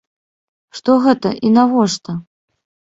Што гэта і навошта?